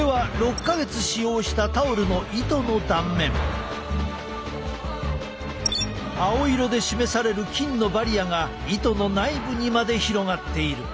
これは青色で示される菌のバリアが糸の内部にまで広がっている。